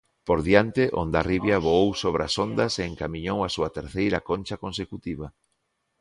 Por diante Hondarribia voou sobre as ondas e encamiñou a súa terceira Concha consecutiva.